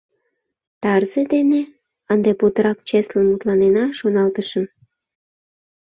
— Тарзе дене? — ынде путырак чеслын мутланена, шоналтышым.